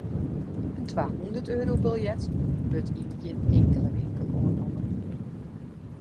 In twahûnderteurobiljet wurdt yn gjin inkelde winkel oannommen.